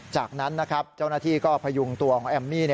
จากนั้นนะครับเจ้าหน้าที่ก็พยุงตัวของแอมมี่